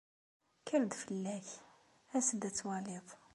Kker fell-ak, as-d ad twaliḍ!